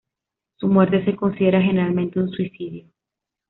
Su muerte se considera generalmente un suicidio.